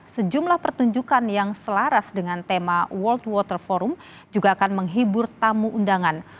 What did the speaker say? sejumlah pertunjukan yang selaras dengan tema world water forum juga akan menghibur tamu undangan